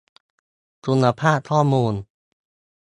คุณภาพข้อมูล